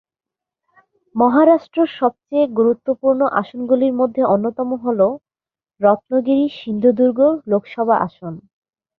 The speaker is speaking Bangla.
মহারাষ্ট্র সবচেয়ে গুরুত্বপূর্ণ আসনগুলির মধ্যে অন্যতম হল রত্নগিরি-সিন্ধুদুর্গ লোকসভা আসন।